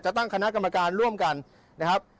ตั้งคณะกรรมการร่วมกันนะครับ